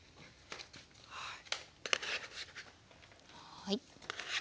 はい。